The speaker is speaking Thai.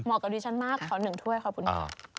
เหมาะกับดิฉันมากขอหนึ่งถ้วยขอบคุณค่ะ